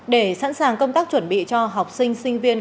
để sẵn sàng công tác chuẩn bị cho học sinh sinh viên